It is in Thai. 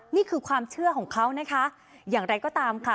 นี่คือความเชื่อของเขานะคะอย่างไรก็ตามค่ะ